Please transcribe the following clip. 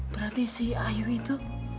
berarti si ayu itu